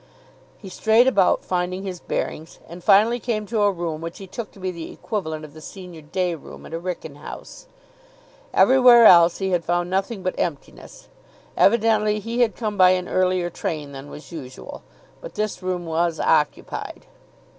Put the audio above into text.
He strayed about, finding his bearings, and finally came to a room which he took to be the equivalent of the senior day room at a Wrykyn house. Everywhere else he had found nothing but emptiness. Evidently he had come by an earlier train than was usual. But this room was occupied.